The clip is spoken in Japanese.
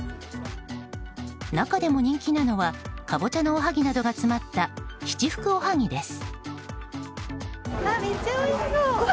中でも人気なのがカボチャのおはぎなどが詰まった七福おはぎです。